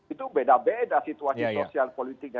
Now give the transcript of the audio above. itu beda beda situasi sosial politiknya